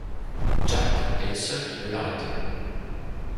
Jack est le seul qui peut l'arrêter.